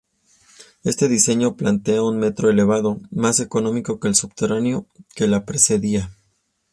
Este diseño plantea un metro elevado, más económico que el subterráneo que lo precedía.